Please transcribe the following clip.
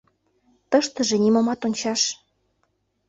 Тыштыже нимомат ончаш.